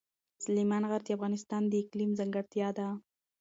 سلیمان غر د افغانستان د اقلیم ځانګړتیا ده.